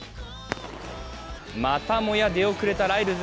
またもや出遅れたライルズ。